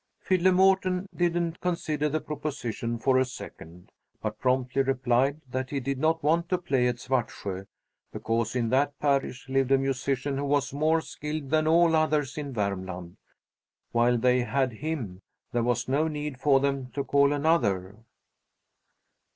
Fiddler Mårten didn't consider the proposition for a second, but promptly replied that he did not want to play at Svartsjö, because in that parish lived a musician who was more skilled than all others in Vermland. While they had him, there was no need for them to call another.